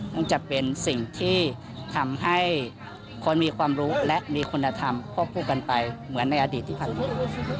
ต้องจะเป็นสิ่งที่ทำให้คนมีความรู้และมีคุณธรรมพ่อปุ้นกันไปเหมือนในอดีตที่ภายใน